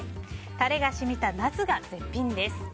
タレが染みたナスが絶品です。